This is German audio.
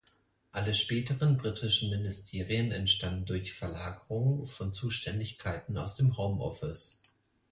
Alle späteren britischen Ministerien entstanden durch Verlagerung von Zuständigkeiten aus dem "Home Office".